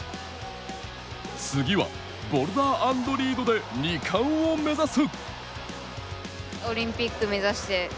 次はボルダー＆リードで２冠を目指す。